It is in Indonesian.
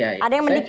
ada yang mendikte